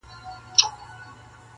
چي پر ما باندي یې سیوری کله لویږي-